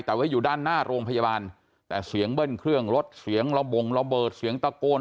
แต่ว่าอยู่ด้านหน้าโรงพยาบาลแต่เสียงเบิ้ลเครื่องรถเสียงระบงระเบิดเสียงตะโกน